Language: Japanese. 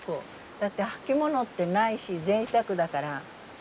だって履き物ってないしぜいたくだから。